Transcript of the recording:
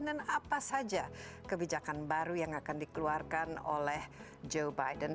dan apa saja kebijakan baru yang akan dikeluarkan oleh joe biden